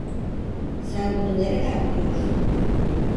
Sen bunu nereden biliyorsun?